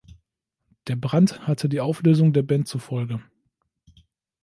Der Brand hatte die Auflösung der Band zur Folge.